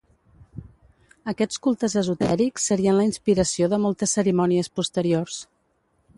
Aquests cultes esotèrics serien la inspiració de moltes cerimònies posteriors.